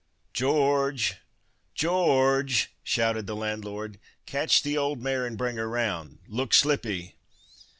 "George! Ge or ge!" shouted the landlord, "catch the old mare and bring her round. Look slippy!"